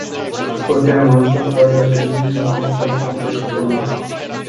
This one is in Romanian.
Putem însă să revenim la această chestiune.